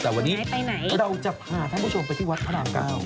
แต่วันนี้เราจะพาท่านผู้ชมไปที่วัดพระราม๙